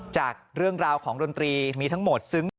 จากเรื่องราวของดนตรีมีทั้งหมดซึ้ง